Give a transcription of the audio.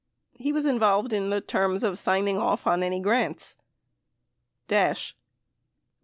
He was involved in terms of signing off on any grants. Dash. When.